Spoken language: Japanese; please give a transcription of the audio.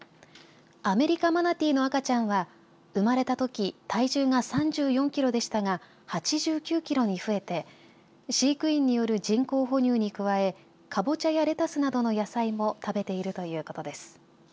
アメリカマナティーの赤ちゃんは生まれたとき体重が３４キロでしたが８９キロに増えて飼育員による人工哺乳に加えかぼちゃやレタスなどの野菜も食べているということです。